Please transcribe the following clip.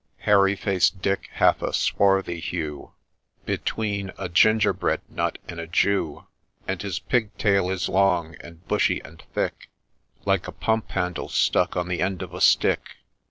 ' Hairy faced Dick hath a swarthy hue, Between a gingerbread nut and a Jew, And his pigtail is long, and bushy, and thick, Like a pump handle stuck on the end of a stick.